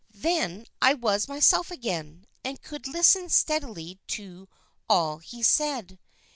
Then I was myself again, and could listen steadily to all he said.